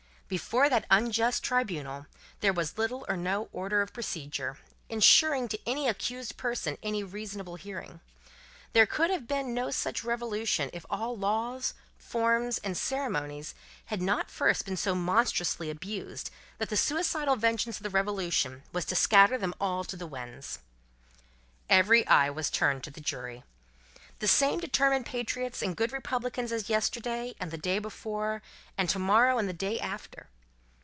Before that unjust Tribunal, there was little or no order of procedure, ensuring to any accused person any reasonable hearing. There could have been no such Revolution, if all laws, forms, and ceremonies, had not first been so monstrously abused, that the suicidal vengeance of the Revolution was to scatter them all to the winds. Every eye was turned to the jury. The same determined patriots and good republicans as yesterday and the day before, and to morrow and the day after.